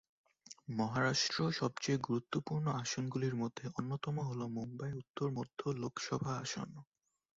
মহারাষ্ট্র সবচেয়ে গুরুত্বপূর্ণ আসনগুলির মধ্যে অন্যতম হল মুম্বাই উত্তর মধ্য লোকসভা আসন।